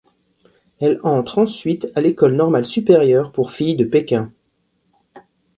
Elle entre ensuite à l’École normale supérieure pour filles de Pékin.